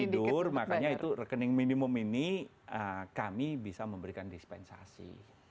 tidur makanya itu rekening minimum ini kami bisa memberikan dispensasi